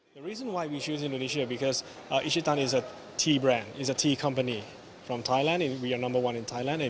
kami tahu bahwa indonesia adalah peluang terbesar bagi negara asia terutama dalam hal bahan teh